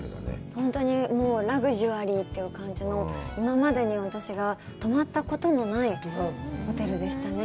本当にラグジュアリーという感じの、今までに私が泊まったことのないホテルでしたね。